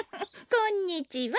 ここんにちは。